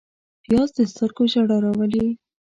پیاز د سترګو ژړا راولي